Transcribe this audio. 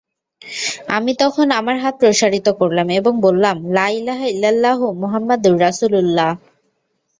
আমি তখন আমার হাত প্রসারিত করলাম এবং বললাম, লা ইলাহা ইল্লাল্লাহু মুহাম্মাদুর রাসূলুল্লাহ।